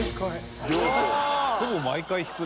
ほぼ毎回引くね。